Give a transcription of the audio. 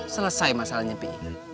selesai masalahnya pi